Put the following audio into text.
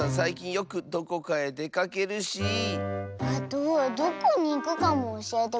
あとどこにいくかもおしえてくれないし。